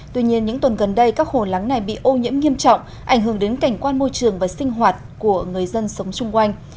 tuy nhiên những tuần gần đây các hồ lắng này bị ô nhiễm nghiêm trọng ảnh hưởng đến cảnh quan môi trường và sinh hoạt của người dân sống xung quanh